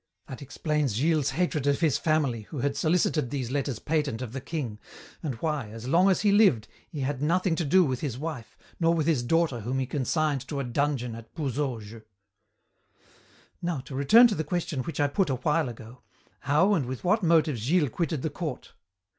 "That explains Gilles's hatred of his family who had solicited these letters patent of the king, and why, as long as he lived, he had nothing to do with his wife, nor with his daughter whom he consigned to a dungeon at Pouzauges. "Now to return to the question which I put a while ago, how and with what motives Gilles quitted the court.